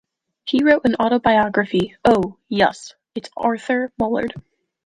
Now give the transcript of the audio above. He wrote an autobiography, "Oh, Yus, It's Arthur Mullard".